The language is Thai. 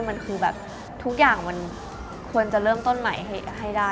มันคือแบบทุกอย่างมันควรจะเริ่มต้นใหม่ให้ได้